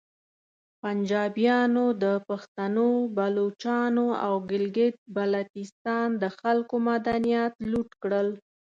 پنجابیانو د پختنو، بلوچانو او ګلګیت بلتیستان د خلکو معدنیات لوټ کړل